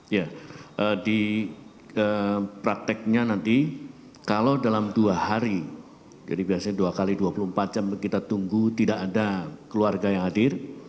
ya di prakteknya nanti kalau dalam dua hari jadi biasanya dua x dua puluh empat jam kita tunggu tidak ada keluarga yang hadir